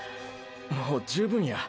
もう十分や。